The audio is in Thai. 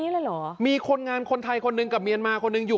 ละหรอมีคนงานคนไทยคนนึงกับมียันมารคนึงอยู่